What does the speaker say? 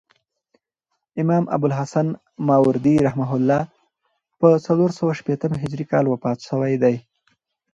امام ابوالحسن ماوردي رحمة الله په څلورسوه شپېتم هجري کال کښي وفات سوی دي.